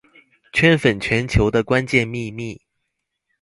圈粉全球的關鍵秘密